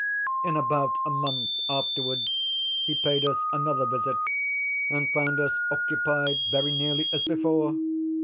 In about a month afterwards he paid us another visit, and found us occupied very nearly as before.